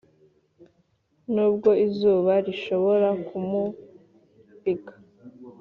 nubwo izuba rishobora kumurika,